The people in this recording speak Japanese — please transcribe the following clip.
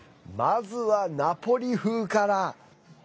まずは、ナポリ風から。